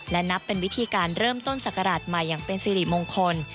และนับเป็นวิธีการเริ่มต้นศักราชใหม่อย่างเป็นสิริมงคล